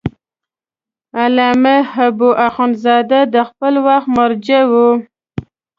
علامه حبو اخند زاده د خپل وخت مرجع و.